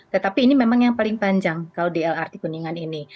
tetapi ini memang yang paling panjang kalau di lrt kuningan ini